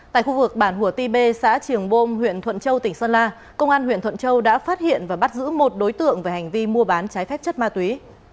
tại khu vực bản hủa ti b xã triềng bôm huyện thuận châu tỉnh sơn la công an huyện thuận châu đã phát hiện và bắt giữ một đối tượng về hành vi mua bán trái phép chất ma túy